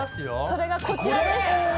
それがこちらです。